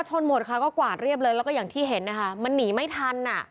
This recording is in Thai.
ส่วนหมดก็กวาดเรียบเลยแล้วก็อย่างที่เห็นมันหนีไม่ทัน